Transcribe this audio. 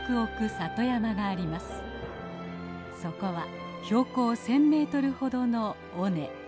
そこは標高１，０００メートルほどの尾根。